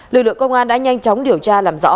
lực lượng công an đã nhanh chóng điều tra làm rõ